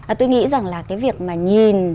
và tôi nghĩ rằng là cái việc mà nhìn